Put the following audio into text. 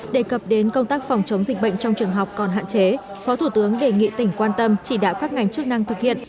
đề cập đến công tác phòng chống dịch bệnh trong trường học còn hạn chế phó thủ tướng đề nghị tỉnh quan tâm chỉ đạo các ngành chức năng thực hiện